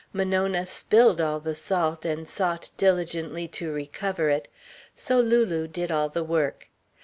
Monona spilled all the salt and sought diligently to recover it. So Lulu did all the work.